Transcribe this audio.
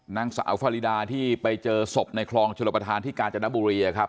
นางสาวฟารีดาที่ไปเจอศพในคลองชลประธานที่กาญจนบุรีครับ